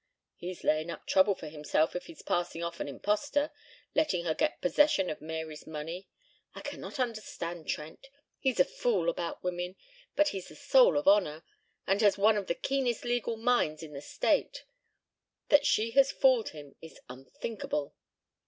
"He's laying up trouble for himself if he's passing off an impostor letting her get possession of Mary's money. I cannot understand Trent. He's a fool about women, but he's the soul of honor, and has one of the keenest legal minds in the state. That she has fooled him is unthinkable."